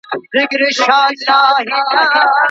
که ئې طلاقوله، نو په درو طهرونو کي ئې طلاقولای سي.